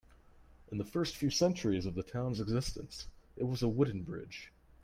In the first few centuries of the town's existence, it was a wooden bridge.